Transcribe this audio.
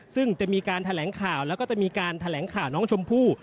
ซึ่งจะมีการแถลงข่าวแล้วก็จะมีการแถลงข่าวน้องชมพู่